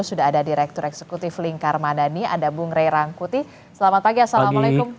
sudah ada direktur eksekutif lingkar madani ada bung rey rangkuti selamat pagi assalamualaikum